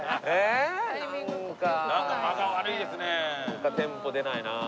なんかテンポ出ないなあ。